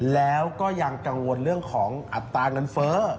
แล้วก็ยังกังวลเรื่องของอัตราเงินเฟ้อ